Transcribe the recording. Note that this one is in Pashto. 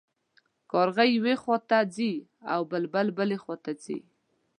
کارغه یوې خوا ته ځي او بلبل بلې خوا ته ځي.